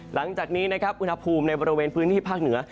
หลังจากนี้นะครับอุณหภูมิในบริเวณพื้นที่ภาคเหนือ